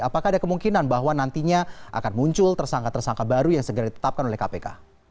apakah ada kemungkinan bahwa nantinya akan muncul tersangka tersangka baru yang segera ditetapkan oleh kpk